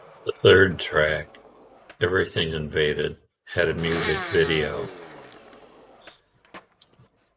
The third track, "Everything Invaded" had a music video.